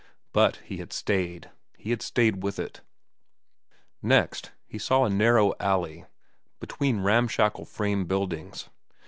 But he had stayed! He had stayed with it! Next, he saw a narrow alley, between ramshackle frame buildings.